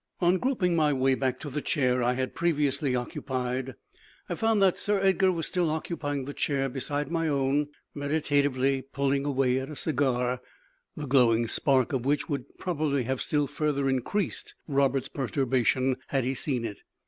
On groping my way back to the chair I had previously occupied, I found that Sir Edgar was still occupying the chair beside my own, meditatively pulling away at a cigar, the glowing spark of which would probably have still further increased Roberts's perturbation, had he seen it.